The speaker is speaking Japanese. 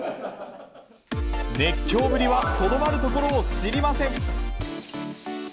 熱狂ぶりはとどまるところを知りません。